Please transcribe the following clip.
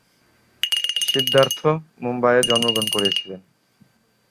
সিদ্ধার্থ মুম্বইয়ে জন্মগ্রহণ করেছিলেন।